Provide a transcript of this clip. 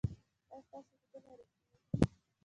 ایا ستاسو خوبونه ریښتیني دي؟